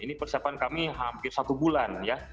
ini persiapan kami hampir satu bulan ya